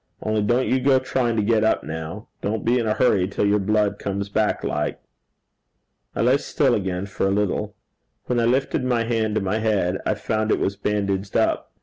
Only don't you go tryin' to get up now. Don't be in a hurry till your blood comes back like.' I lay still again for a little. When I lifted my hand to my head, I found it was bandaged up.